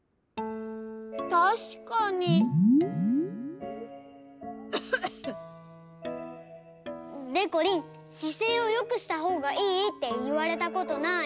たしかに。でこりんしせいをよくしたほうがいいっていわれたことない？